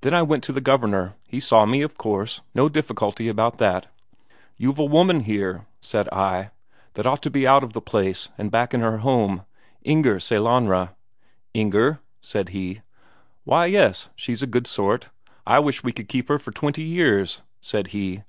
"Then I went to the Governor he saw me, of course, no difficulty about that. 'You've a woman here,' said I,' that ought to be out of the place, and back in her home Inger Sellanraa.' 'Inger?' said he; 'why, yes. She's a good sort I wish we could keep her for twenty years,' said he.